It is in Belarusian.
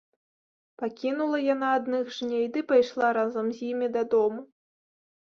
Пакінула яна адных жней ды пайшла разам з імі дадому.